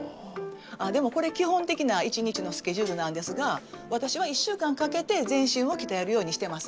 あっでもこれ基本的な一日のスケジュールなんですが私は一週間かけて全身をきたえるようにしてます。